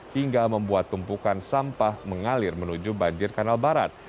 hingga membuat tumpukan sampah mengalir menuju banjir kanal barat